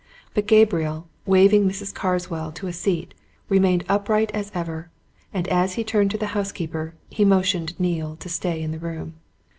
But Gabriel, waving Mrs. Carswell to a seat, remained upright as ever, and as he turned to the housekeeper, he motioned Neale to stay in the room.